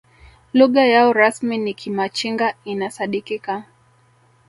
lugha yao rasmi ni kimachinga inasadikika